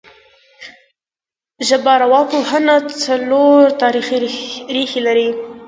ژبارواپوهنه څلور تاریخي ریښې لري